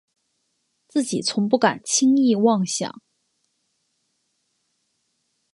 自己从不敢轻易妄想